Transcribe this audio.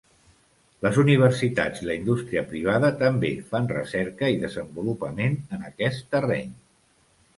Les universitats i la indústria privada també fan recerca i desenvolupament en aquest terreny.